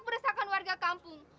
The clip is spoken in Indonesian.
beresahkan warga kampung